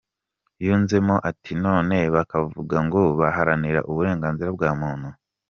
Yunzemoa ati “None bakavuga ngo baharanira uburenganzira bwa muntu ?